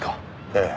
ええ。